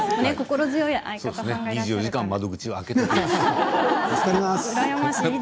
２４時間窓口は開けてあります。